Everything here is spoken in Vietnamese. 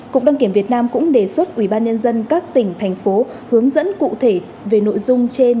cục đăng kiểm việt nam cũng đề xuất ubnd các tỉnh thành phố hướng dẫn cụ thể về nội dung trên